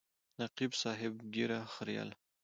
نقیب صاحب ږیره خریله.